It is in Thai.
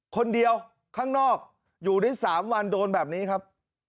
คนเดียวข้างนอกอยู่ได้๓วันโดนแบบนี้ครับ